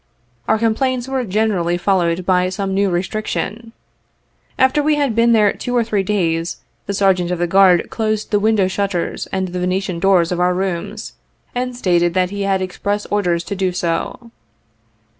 Our complaints were generally follow ed by some new restriction. After we had been there two or three days, the Sergeant of the Guard closed the window shutters and the Venetian doors of our rooms, and stated that he had express orders to do so.